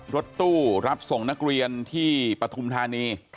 รถตู้รับส่งนักเรียนที่ปฐุมธานี